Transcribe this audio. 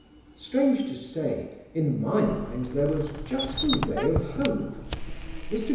Strange to say in my mind there was just a ray of hope. Mr.